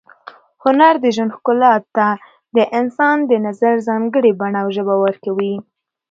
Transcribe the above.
هنر د ژوند ښکلا ته د انسان د نظر ځانګړې بڼه او ژبه ورکوي.